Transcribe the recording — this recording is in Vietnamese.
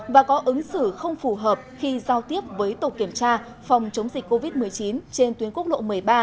và có ứng xử không phù hợp khi giao tiếp với tổ kiểm tra phòng chống dịch covid một mươi chín trên tuyến quốc lộ một mươi ba